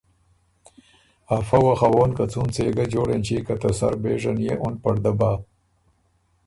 افۀ وخوون که څون څۀ يې ګۀ جوړ اېنچی که ته سر بېژه ن دې اُن پړده بَۀ